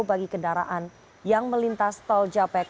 bagi kendaraan yang melintas tol japek